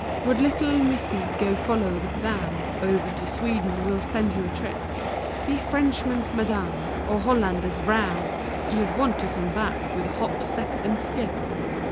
Would little Missey go follow the plough, Over to Sweden we'll send you a trip; Be Frenchman's Madame, or Hollander's Vrow;— You'd want to come back, with a hop, step and skip.